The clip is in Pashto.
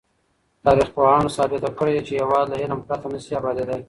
تاريخ پوهانو ثابته کړې چي هېواد له علم پرته نه سي ابادېدای.